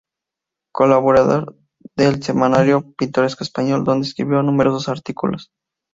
Colaborador del "Semanario Pintoresco Español", donde escribió numerosos artículos.